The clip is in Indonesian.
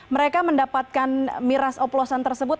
mereka mendapatkan miras oplosan tersebut